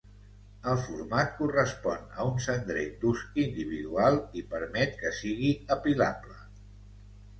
El format correspon a un cendrer d'ús individual i permet que sigui apilable.